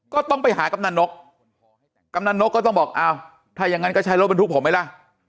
ก็ต้องไปหากำนันนกกำนันนกก็ต้องบอกอ้าวถ้าอย่างนั้นก็ใช้รถบรรทุกผมไหมล่ะ